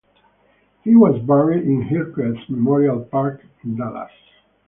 He was buried in Hillcrest Memorial Park in Dallas.